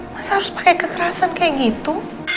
masa harus pakai kekerasan kayak gitu